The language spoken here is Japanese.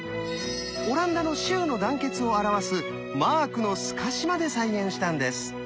オランダの州の団結を表すマークの透かしまで再現したんです。